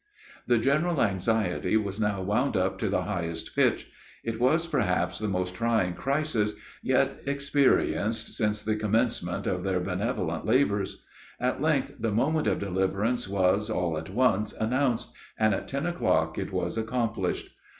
The general anxiety was now wound up to the highest pitch; it was, perhaps, the most trying crisis yet experienced since the commencement of their benevolent labors; at length the moment of deliverance was, all at once, announced, and at ten o'clock it was accomplished.